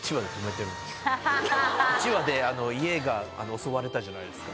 １話で家が襲われたじゃないですか。